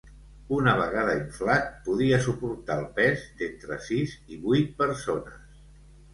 Una vegada inflat, podia suportar el pes d'entre sis i vuit persones.